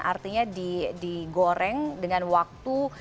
artinya digoreng dengan waktu yang lebih lama